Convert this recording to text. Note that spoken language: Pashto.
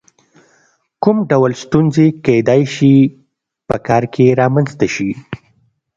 کوم ډول ستونزې کېدای شي په کار کې رامنځته شي؟